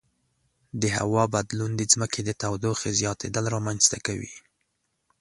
د هوا بدلون د ځمکې د تودوخې زیاتیدل رامنځته کوي.